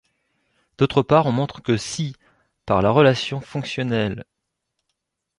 D'autre part on montre que si par la relation fonctionnelle.